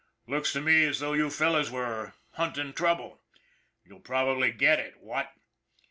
Looks to me as though you fellows were hunting trouble. You'll probably get it, what?"